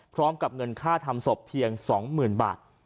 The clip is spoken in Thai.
พร้อมกับเงินค่าทำศพเพียงสองหมื่นบาท